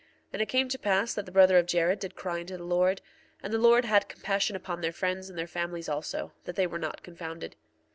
1:37 And it came to pass that the brother of Jared did cry unto the Lord, and the Lord had compassion upon their friends and their families also, that they were not confounded.